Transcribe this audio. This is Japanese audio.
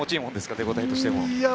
手応えとしては。